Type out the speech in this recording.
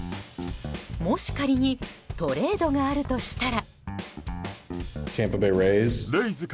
もし仮にトレードがあるとしたら。